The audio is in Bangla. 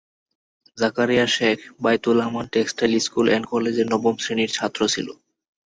Zakaria Sheikh Baitul Aman textile school and কলেজের নবম শ্রেণির ছাত্র ছিল।